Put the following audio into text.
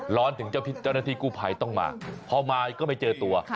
ร้อนถึงเจ้าหน้าที่กู้ภัยต้องมาพอมาก็ไม่เจอตัว